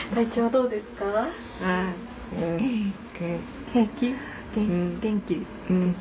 うん。